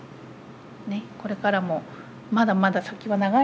これからもまだまだ先は長いです。